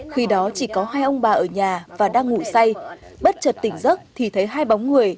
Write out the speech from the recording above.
khi đó chỉ có hai ông bà ở nhà và đang ngủ say bất trật tỉnh giấc thì thấy hai bóng người